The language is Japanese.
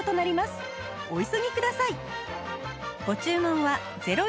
お急ぎください！